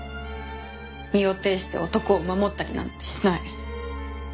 身を挺して男を守ったりなんてしない！